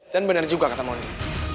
dan bener juga kata mondi